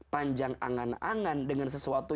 panjang angan angan dengan sesuatu